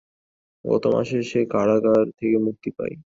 গত মাসে সে কারাগার থেকে মুক্তি পায়।